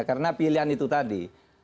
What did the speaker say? karena pilihan itu tadi